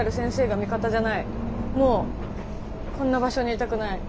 もうこんな場所にいたくない。